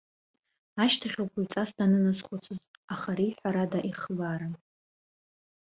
Ашьҭахьоуп уаҩҵас даныназхәыцыз, аха ари, ҳәарада, ихыбааран.